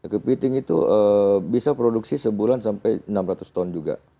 kepiting itu bisa produksi sebulan sampai enam ratus ton juga